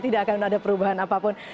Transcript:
tidak akan ada perubahan apapun